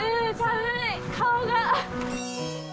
顔が。